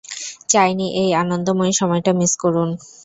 চাইনি এই আনন্দময় সময়টা মিস করুন।